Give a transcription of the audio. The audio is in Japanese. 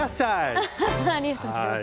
アハハありがとうございます。